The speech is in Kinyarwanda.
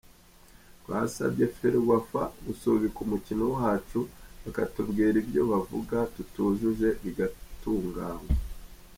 Twasabye Ferwafa gusubika umukino wacu bakatubwira ibyo bavuga tutujuje bigatunganywa.